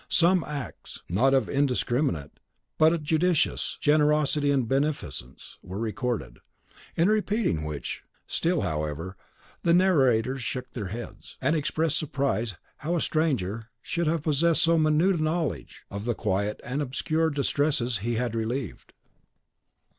Some acts, not of indiscriminate, but judicious generosity and beneficence, were recorded; in repeating which, still, however, the narrators shook their heads, and expressed surprise how a stranger should have possessed so minute a knowledge of the quiet and obscure distresses he had relieved.